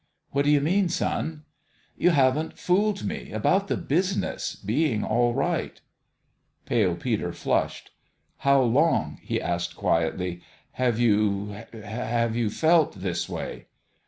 What do you mean, son ?"" You haven't fooled me about the business being all right." Pale Peter flushed. " How long," he asked, quietly, " have you have you felt this way?"